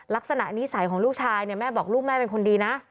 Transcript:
ลักษณะนิสัยของลูกชายเนี่ยแม่บอกลูกแม่เป็นคนดีนะ